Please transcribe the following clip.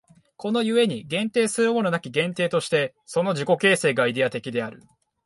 この故に限定するものなき限定として、その自己形成がイデヤ的である。